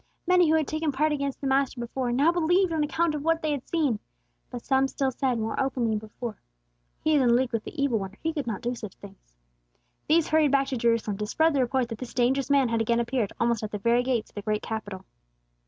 Many who had taken part against the Master before, now believed on account of what they had seen. But some still said, more openly than before, "He is in league with the evil one, or He could not do such things." These hurried back to Jerusalem, to spread the report that this dangerous man had again appeared, almost at the very gates of the great Capital.